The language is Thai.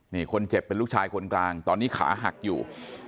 นี่คนเจ็บเป็นลูกชายคนกลางตอนนี้ขาหักอยู่